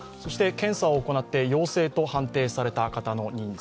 検査を行って陽性と判定された方の人数